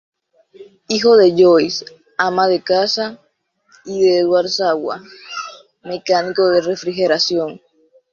Hijo de Joyce, ama de casa, y de Edward Sawa, mecánico de refrigeración.